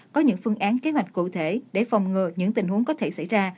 có những phương án kế hoạch cụ thể để phòng ngừa những tình huống có thể xảy ra